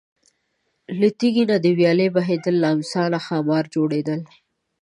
له تیږې نه د ویالې بهیدل، له امسا نه ښامار جوړېدل.